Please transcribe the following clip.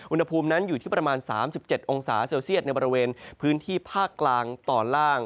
อุณหภูมินั้นอยู่ที่ประมาณ๓๗องศาเซลเซียตในบริเวณพื้นที่ภาคกลางตอนล่าง